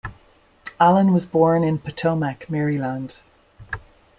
Alan was born in Potomac, Maryland.